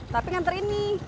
tapi nganter ini